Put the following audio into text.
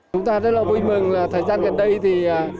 chúng ta rất là vui mừng là thời gian gần đây thì